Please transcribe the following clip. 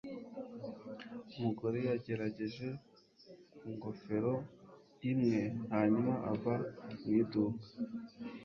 umugore yagerageje ku ngofero imwe, hanyuma ava mu iduka